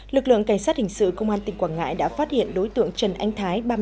lực lượng cảnh sát hình sự công an tỉnh quảng ngãi đã phát hiện đối tượng trần anh thái